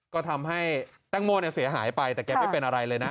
ก็ทำให้แต้งโม่เสียหายไปแต่แกไม่เป็นอะไรเลยนะ